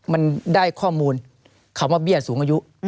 มันได้ข้อมูลคำว่าเบี้ยสูงอายุ